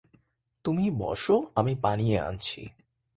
তুমি বস, আমি বানিয়ে আনছি।